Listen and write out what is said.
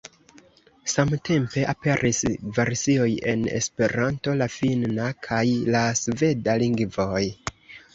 Samtempe aperis versioj en Esperanto, la finna kaj la sveda lingvoj.